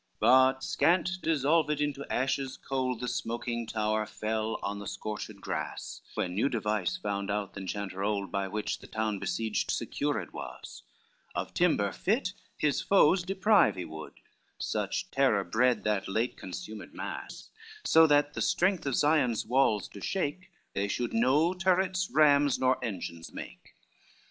I But scant, dissolved into ashes cold, The smoking tower fell on the scorched grass, When new device found out the enchanter old By which the town besieged secured was, Of timber fit his foes deprive he would, Such terror bred that late consumed mass: So that the strength of Sion's walls to shake, They should no turrets, rams, nor engines make.